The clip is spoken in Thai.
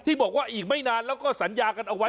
บอกว่าอีกไม่นานแล้วก็สัญญากันเอาไว้